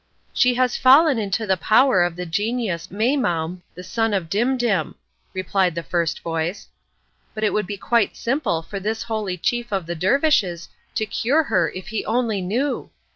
"She has fallen into the power of the genius Maimoum, the son of Dimdim," replied the first voice. "But it would be quite simple for this holy chief of the dervishes to cure her if he only knew!